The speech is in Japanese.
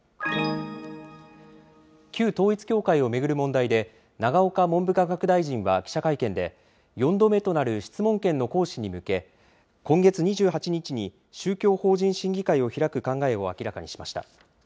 旧統一教会を巡る問題で、永岡文部科学大臣は記者会見で、４度目となる質問権の行使に向け、今月２８日に宗教法人審議会を開く考えを明らかにしました。